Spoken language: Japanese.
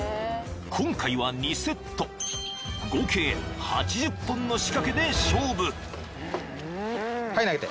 ［今回は２セット合計８０本の仕掛けで勝負］